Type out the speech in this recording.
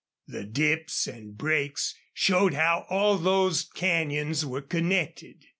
The dips and breaks showed how all these canyons were connected.